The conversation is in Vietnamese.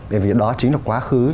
thì đó chính là quá khứ